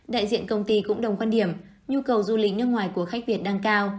đại diện công ty cũng đồng quan điểm nhu cầu du lịch nước ngoài của khách việt đang cao